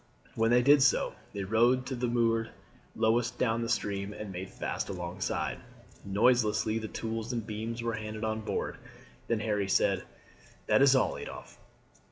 When they did so they rowed to that moored lowest down the stream and made fast alongside. Noiselessly the tools and beams were handed on board. Then Harry said: "That is all, Adolphe."